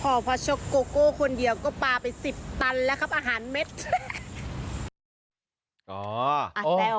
พอพอชกโกโก้คนเดียวก็ปลาไป๑๐ตันแล้วครับอาหารเม็ด